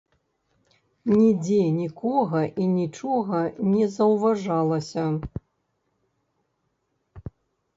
Нідзе нікога і нічога не заўважалася.